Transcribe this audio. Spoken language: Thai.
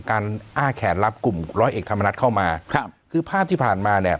การอ้าแขนรับกลุ่มร้อยเอกธรรมนัฐเข้ามาครับคือภาพที่ผ่านมาเนี่ย